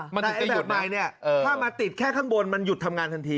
มันถึงจะหยุดมั้ยถ้ามาติดแค่ข้างบนมันหยุดทำงานทันที